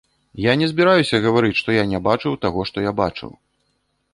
Я не збіраюся гаварыць, што я не бачыў таго, што я бачыў.